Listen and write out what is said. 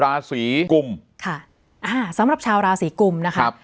ราศีกุมค่ะอ่าสำหรับชาวราศีกุมนะครับ